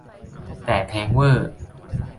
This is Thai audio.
แต่แพงเว่อร์